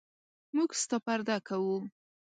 موږ ستا پرده کوو.